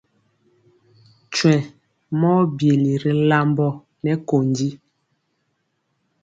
Twɛŋ mɔ byeli ri lambɔ nɛ kondi.